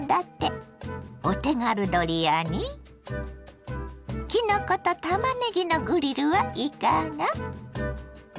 お手軽ドリアにきのことたまねぎのグリルはいかが。